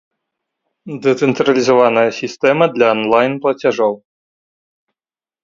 Дэцэнтралізаваная сістэма для анлайн-плацяжоў!